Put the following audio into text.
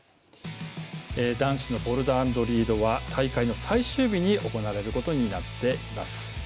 男子のボルダー＆リードは大会の最終日に行われることになっています。